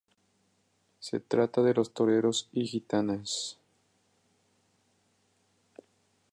Se trata de los toreros y gitanas.